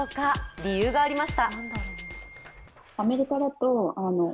理由がありました。